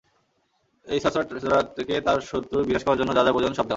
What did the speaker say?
এটা সর্সারারকে তার শত্রুর বিনাশ করার জন্য যা যা প্রয়োজন হয় সব দেয়।